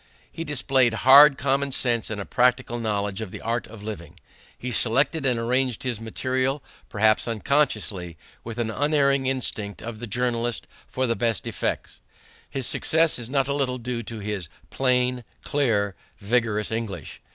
He displayed hard common sense and a practical knowledge of the art of living. He selected and arranged his material, perhaps unconsciously, with the unerring instinct of the journalist for the best effects. His success is not a little due to his plain, clear, vigorous English.